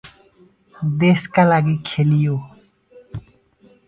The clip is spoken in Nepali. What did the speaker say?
देशका लागि खेलियो ।